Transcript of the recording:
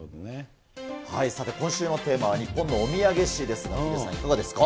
さて、今週のテーマは日本のお土産史なんですが、いかがですか。